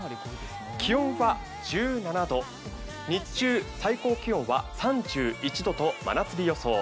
気温は１７度、日中、最高気温は３１度と真夏日予想。